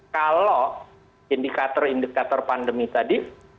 kalau indikator indikator pandemi tadi